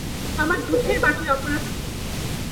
আমার দুধের বাটির অপরাধ কী?